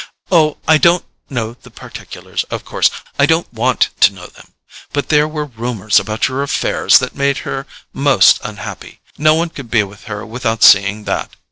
Oh, I don't know the particulars, of course—I don't WANT to know them—but there were rumours about your affairs that made her most unhappy—no one could be with her without seeing that.